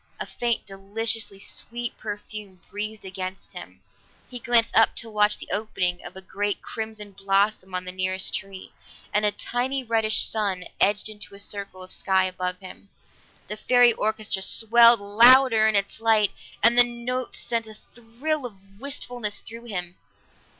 A faint, deliciously sweet perfume breathed against him; he glanced up to watch the opening of a great crimson blossom on the nearest tree, and a tiny reddish sun edged into the circle of sky above him. The fairy orchestra swelled louder in its light, and the notes sent a thrill of wistfulness through him.